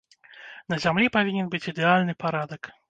На зямлі павінен быць ідэальны парадак.